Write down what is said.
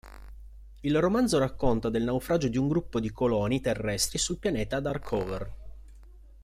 Il romanzo racconta del naufragio di un gruppo di coloni terrestri sul pianeta Darkover.